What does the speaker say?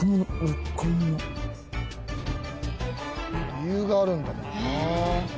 理由があるんだもんな。